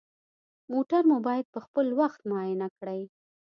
موټر مو باید پخپل وخت معاینه کړئ.